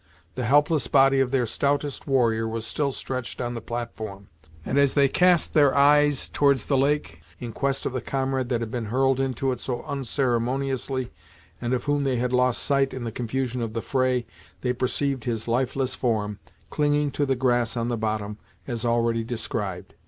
The helpless body of their stoutest warrior was still stretched on the platform, and, as they cast their eyes towards the lake, in quest of the comrade that had been hurled into it so unceremoniously, and of whom they had lost sight in the confusion of the fray, they perceived his lifeless form clinging to the grass on the bottom, as already described.